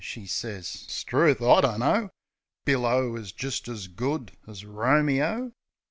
she sez. 'Struth, I dunno. Billo is just as good as Romeo.